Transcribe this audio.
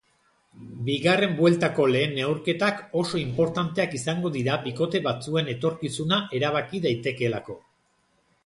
Bigarren bueltako lehen neurketak oso inportanteak izango dira bikote batzuen etorkizuna erabaki daitekeelako.